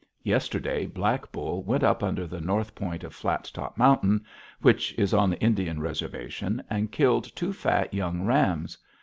Yesterday Black Bull went up under the north point of Flat Top Mountain, which is on the Indian Reservation, and killed two fat young rams.